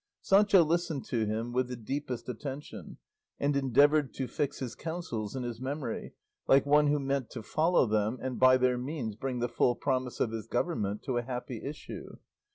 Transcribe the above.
Sancho listened to him with the deepest attention, and endeavoured to fix his counsels in his memory, like one who meant to follow them and by their means bring the full promise of his government to a happy issue.